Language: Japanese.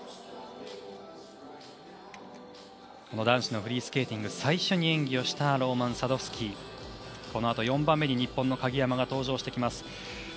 男子のフリースケーティング最初に演技をしたローマン・サドフスキーこの後、４番目に日本の鍵山が登場します。